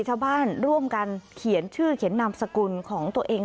ชาวบ้านร่วมกันเขียนชื่อเขียนนามสกุลของตัวเอง